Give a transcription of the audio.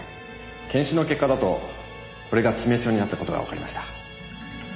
検視の結果だとこれが致命傷になった事がわかりました。